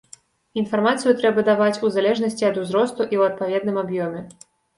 Інфармацыю трэба даваць у залежнасці ад узросту і ў адпаведным аб'ёме.